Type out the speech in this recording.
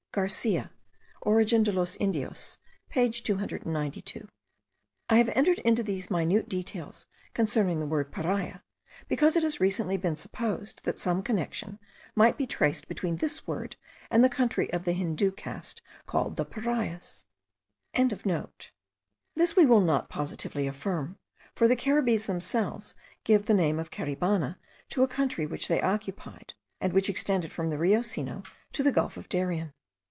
(Garcia, Origen de los Indios, page 292.) I have entered into these minute details concerning the word Paria, because it has recently been supposed that some connection might be traced between this word and the country of the Hindoo caste called the Parias.) This we will not positively affirm; for the Caribbees themselves give the name of Caribana to a country which they occupied, and which extended from the Rio Sinu to the gulf of Darien.